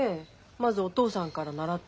まずお義父さんから習って。